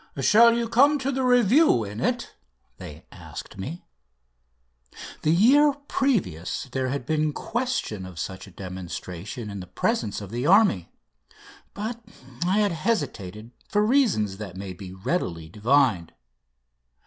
"Shall you come to the review in it?" they asked me. The year previous there had been question of such a demonstration in presence of the army, but I had hesitated for reasons that may be readily divined.